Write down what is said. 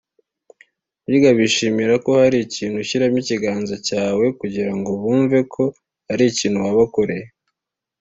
burya bishimira ko hari ikintu ushyiramo ikiganza cyawe kugira ngo bumve ko hari ikintu wabakoreye